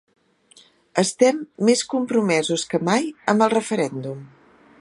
Estem més compromesos que mai amb el referèndum.